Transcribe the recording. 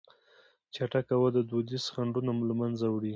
چټکه وده دودیز خنډونه له منځه وړي.